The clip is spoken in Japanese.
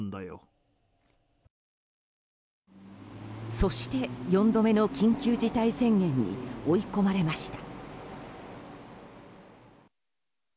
そして４度目の緊急事態宣言に追い込まれました。